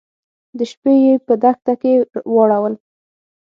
د شپې يې په دښته کې واړول.